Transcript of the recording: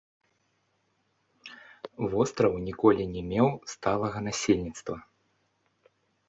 Востраў ніколі не меў сталага насельніцтва.